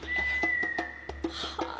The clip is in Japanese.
はあ。